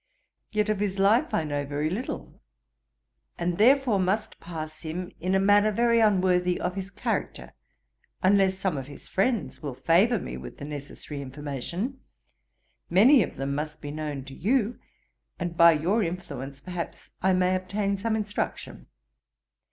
Yet of his life I know very little, and therefore must pass him in a manner very unworthy of his character, unless some of his friends will favour me with the necessary information; many of them must be known to you; and by your influence, perhaps I may obtain some instruction.